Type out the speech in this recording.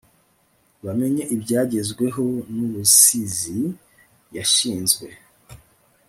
bamenye ibygezweho nubusizi. yashinzwe